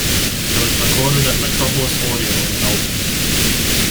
It was recorded at Metropolis Audio in Melbourne.